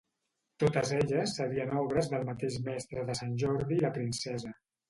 Totes elles serien obres del mateix Mestre de Sant Jordi i la princesa.